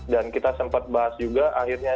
dan kita sempat bahas juga